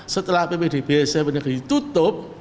setelah apbdb smp negeri ditutup